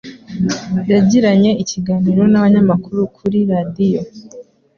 yagiranye ikiganiro n'abanyamakuru kuri radiyo,